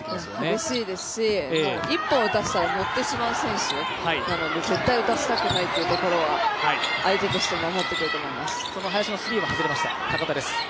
激しいですし１本打たせたら乗ってしまう選手なので絶対に打たせたくないっていうところは相手としても持っていると思います。